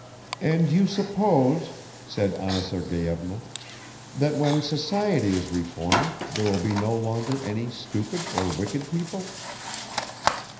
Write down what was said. "And you suppose," said Anna Sergeyevna, "that when society is reformed there will be no longer any stupid or wicked people?"